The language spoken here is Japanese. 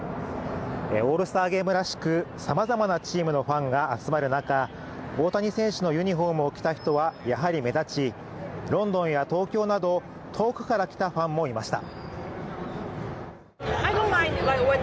オールスターゲームらしく、様々なチームのファンが集まる中、大谷選手のユニフォームを着た人は、やはり目立ち、ロンドンや東京など遠くから来たファンもいました。